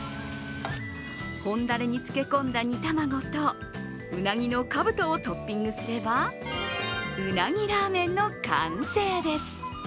本ダレに漬け込んだ煮卵とうなぎのかぶとをトッピングすればうなぎラーメンの完成です。